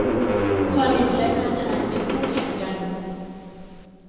คอลินและนาธานเป็นคู่แข่งกัน